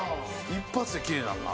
一発できれいになるな。